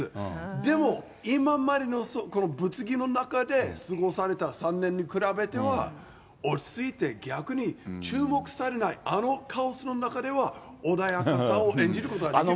でも今までのこの物議の中で過ごされた３年に比べたら、落ち着いて、逆に注目されない、あのカオスの中では穏やかさを演じることができるんです。